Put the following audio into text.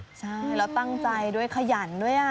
ใช่แล้วตั้งใจด้วยขยันด้วย